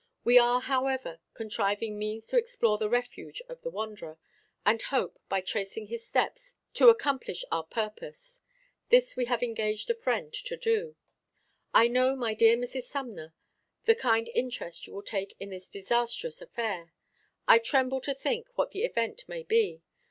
We are, however, contriving means to explore the refuge of the wanderer, and hope, by tracing his steps, to accomplish our purpose. This we have engaged a friend to do. I know, my dear Mrs. Sumner, the kind interest you will take in this disastrous affair. I tremble to think what the event may be.